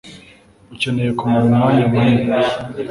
Ukeneye kumara umwanya munini